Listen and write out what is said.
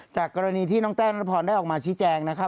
จากกรณีที่แวะได้ออกมาชิคแจง